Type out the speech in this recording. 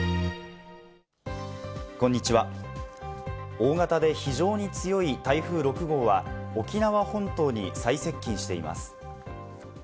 大型で非常に強い台風６号は沖縄本島に最接近しています。